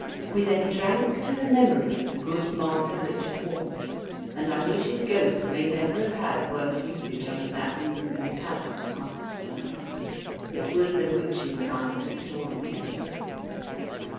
We then drank to the memory of the good Master Richard Watts. And I wish his Ghost may never have had worse usage under that roof than it had from us. It was the witching time for Story telling.